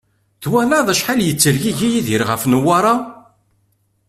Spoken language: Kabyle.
Twalaḍ acḥal i yettergigi Yidir ɣef Newwara?